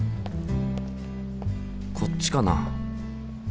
こっちかな？